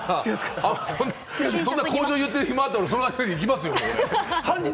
そんな口上をやってる暇があるんだったら、その間に僕やりますよ。